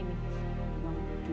ini makan nggak aku